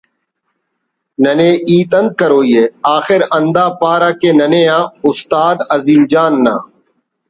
ننے ہیت انت کروئی ءِ آخر ہندا پارہ کہ ”ننے آ استاد عظیم جان نا